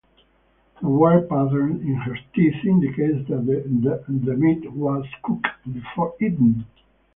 The wear patterns in her teeth indicated that the meat was cooked before eating.